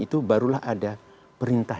itu barulah ada perintah